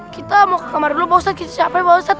kita mau ke kamar dulu bapak ustad kita siapain bapak ustad